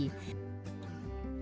kepala pengacara cornelia agata